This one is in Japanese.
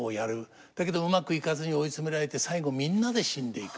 だけどうまくいかずに追い詰められて最後みんなで死んでいく。